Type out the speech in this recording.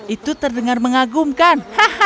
itu terdengar mengagumkan